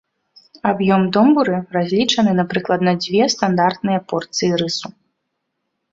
Аб'ём домбуры разлічаны на прыкладна дзве стандартныя порцыі рысу.